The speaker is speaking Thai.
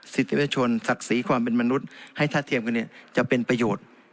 สิทธิวชนศักดิ์ศรีความเป็นมนุษย์ให้ถ้าเทียมกันเนี่ยจะเป็นประโยชน์